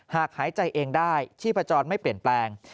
หายใจเองได้ชีพจรไม่เปลี่ยนแปลง